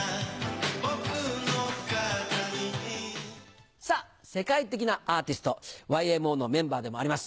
ぼくの肩にさぁ世界的なアーティストＹＭＯのメンバーでもあります